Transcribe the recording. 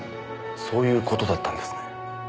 そういう事だったんですね。